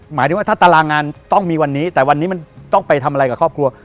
หมายถึงว่าถ้าตารางงานต้องมีวันนี้แต่วันนี้มันต้องไปทำอะไรกับครอบครัว